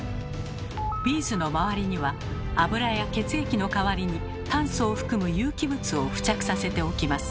ビーズの回りには脂や血液の代わりに炭素を含む有機物を付着させておきます。